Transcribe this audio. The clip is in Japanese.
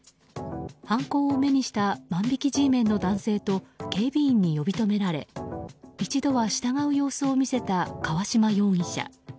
犯行を目にした万引きＧメンの男性と警備員に呼び止められ一度は従う様子を見せた川嶋容疑者。